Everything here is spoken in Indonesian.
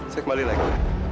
saya kembali lagi